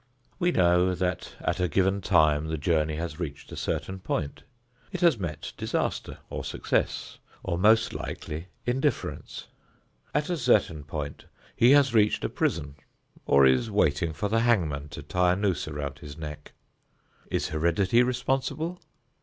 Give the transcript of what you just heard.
We know that at a given time the journey has reached a certain point; it has met disaster or success, or most likely indifference. At a certain point he has reached a prison or is waiting for the hangman to tie a noose around his neck. Is heredity responsible?